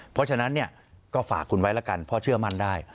เพราะฉะนั้นก็ฝากคุณไว้แล้วกันเพราะเชื่อมั่นได้